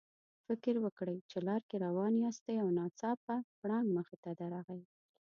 فکر وکړئ چې لار کې روان یاستئ او ناڅاپه پړانګ مخې ته درغی.